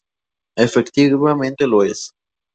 Efectivamente lo es.